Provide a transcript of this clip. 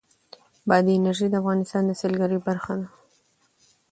بادي انرژي د افغانستان د سیلګرۍ برخه ده.